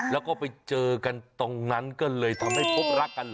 แล้วก็ไปเจอกันตรงนั้นก็เลยทำให้พบรักกันเหรอ